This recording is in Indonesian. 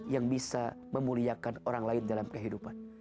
yang bisa memuliakan orang lain dalam kehidupan